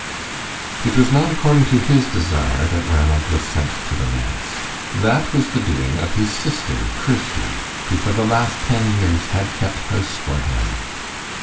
It was not according to his desire that Ranald was sent to the manse. That was the doing of his sister, Kirsty, who for the last ten years had kept house for him.